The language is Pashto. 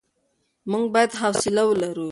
موږ بايد حوصله ولرو.